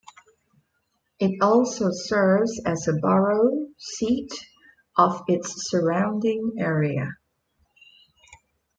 It also serves as a borough seat of its surrounding area.